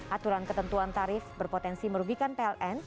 aturan ketentuan tarif berpotensi merugikan pln